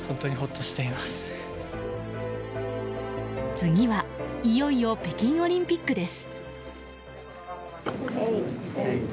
次はいよいよ北京オリンピックです。